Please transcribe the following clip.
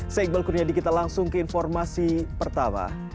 saya iqbal kurnia di kita langsung ke informasi pertama